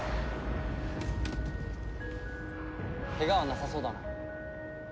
ケガはなさそうだな。